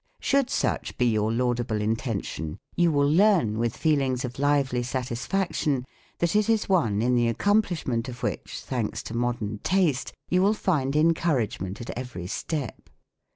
Should such be your laudable intention, you will learn, with feelings of lively satisfaction, that it is one, in the accomplishment of which, thanks to Modern Taste, you will find encouragement at every step.